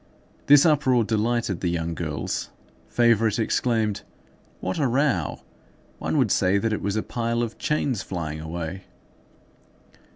This uproar delighted the young girls. Favourite exclaimed:— "What a row! One would say that it was a pile of chains flying away."